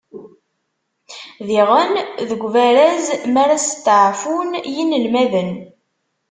Diɣen deg ubaraz, mi ara steɛfun yinelmaden.